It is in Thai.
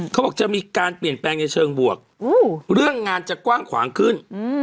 เขาบอกจะมีการเปลี่ยนแปลงในเชิงบวกเรื่องงานจะกว้างขวางขึ้น